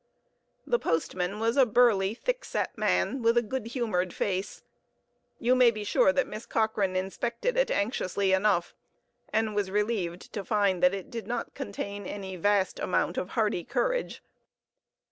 The postman was a burly, thick set man, with a good humored face. You may be sure that Miss Cochrane inspected it anxiously enough, and was relieved to find that it did not contain any vast amount of hardy courage.